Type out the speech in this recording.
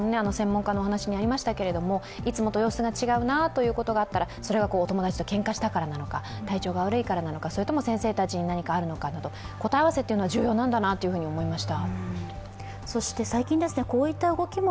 なので、いつもと様子が違うなということがあったらそれは友達とけんかしたからなのか体調が悪いからなのか、それとも先生たちに何かあるからなのかと、答え合わせは重要なんだなと思いました。